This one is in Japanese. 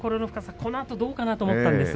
このあとどうかなと思ったんですが。